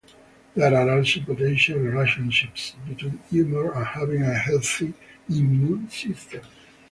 There are also potential relationships between humour and having a healthy immune system.